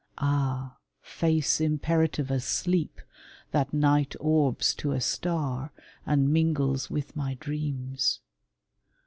Ah, face imperative as sleep, that night Orbs to a star, and mingles with my dreams!